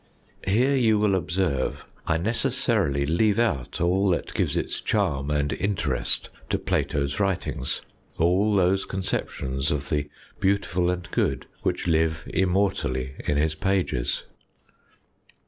Here you will observe I necessarily leave out all that gives its charm and interest to Plato's writings. All those conceptions of the beautiful and good which live immortally in his pages.